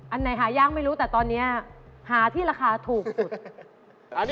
อันไหนหาย่างไม่รู้แต่ตอนนี้หาที่ราคาถูกสุด